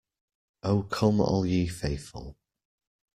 Oh come all ye faithful.